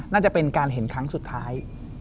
น่าจะเป็นการเห็นครั้งสุดท้าย